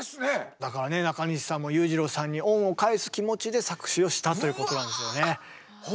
だからねなかにしさんも裕次郎さんに恩を返す気持ちで作詞をしたということなんですよね。